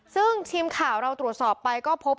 ซึ่งทีมข่าวเราตรวจสอบไปก็พบ